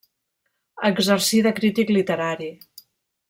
Exercí de crític literari.